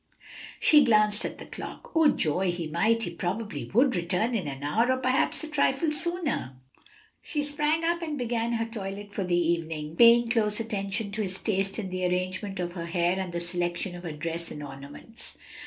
She glanced at the clock. Oh joy! he might, he probably would, return in an hour or perhaps a trifle sooner. She sprang up and began her toilet for the evening, paying close attention to his taste in the arrangement of her hair and the selection of her dress and ornaments.